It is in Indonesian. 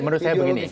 menurut saya begini